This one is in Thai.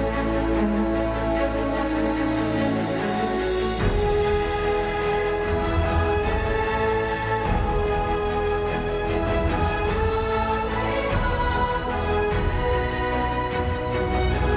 โปรดติดตามตอนต่อไป